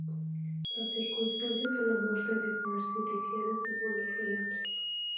Las circunstancias de la muerte de Percy difieren según los relatos.